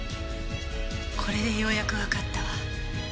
これでようやくわかったわ。